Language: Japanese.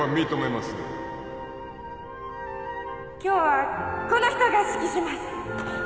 ま今日はこの人が指揮します！